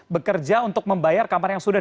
bekerja untuk membayar kamar yang sudah